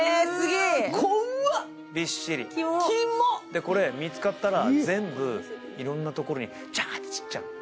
これ、見つかったら全部いろんなとこにジャーっと散っちゃう。